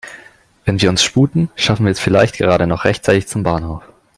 Wenn wir uns sputen, schaffen wir es vielleicht gerade noch rechtzeitig zum Bahnhof.